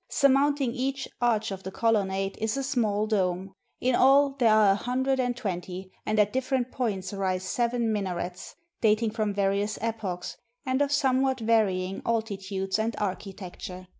Surmount ing each arch of the colonnade is a small dome: in all there are a hundred and twenty, and at different points arise seven minarets, dating from various epochs, and of somewhat varying altitudes and architecture.